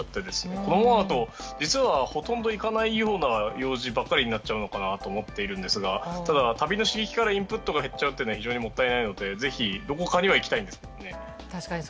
このままだと実はほとんど行かないような用事ばっかりになっちゃうのかなと思っているんですがただ、旅先からのインプットが減っちゃうと非常にもったいないのでどこかには行きたいんですよね。